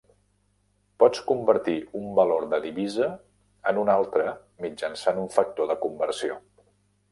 Pots convertir un valor de divisa en un altre mitjançant un factor de conversió.